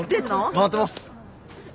回ってます。